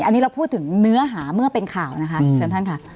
อันนี้เราพูดถึงเนื้อหาเมื่อเป็นข่าวนะคะเชิญท่านค่ะ